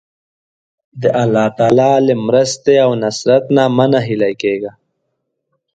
د الله تعالی له مرستې او نصرت نه مه ناهیلی کېږه.